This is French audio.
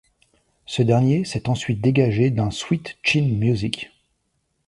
Ce dernier s'est ensuite dégagé d'un Sweet Chin Music.